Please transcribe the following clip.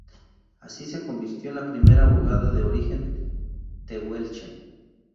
Así se convirtió en la primera abogada de origen tehuelche.